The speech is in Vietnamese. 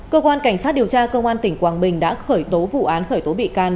cơ quan cảnh sát điều tra công an tỉnh quảng bình đã khởi tố vụ án khởi tố bị can